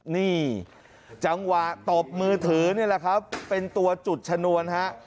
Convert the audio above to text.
นี่จังหวะตบมือถือนี่แหละครับเป็นตัวจุดชนวนฮะ